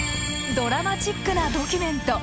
ドラマチックなドキュメント。